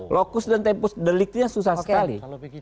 lokus dan tempus deliknya susah sekali